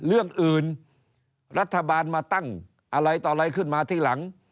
เรื่องอื่นรัฐบาลมาตั้งอะไรต่ออะไรขึ้นมาทีหลัง